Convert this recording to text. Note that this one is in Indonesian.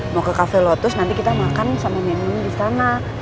mau ke cafe lotus nanti kita makan sama mianing di sana